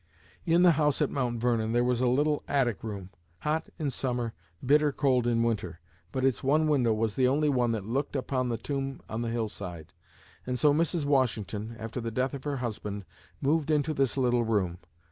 In the house at Mount Vernon, there was a little attic room, hot in summer, bitter cold in winter. But its one window was the only one that looked upon the tomb on the hillside, and so Mrs. Washington, after the death of her husband, moved into this little room.